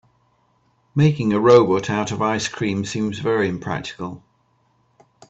Making a robot out of ice cream seems very impractical.